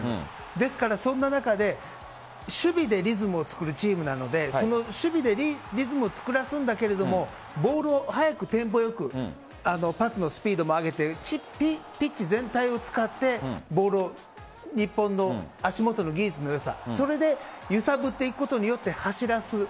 ですからそんな中で守備でリズムを作るチームなので守備でリズムを作らせるんだけどボールを速くテンポよくパスのスピードも上げてピッチ全体を使ってボールを日本の足元の技術のよさそれで揺さぶっていくことによって走らせる。